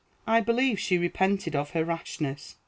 I believe she repented of her rashness.